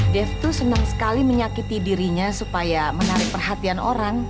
dev tuh senang sekali menyakiti dirinya supaya menarik perhatian orang